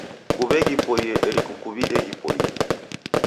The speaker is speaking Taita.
Kuw'e ghipoie eri kukuw'ide ghipoie.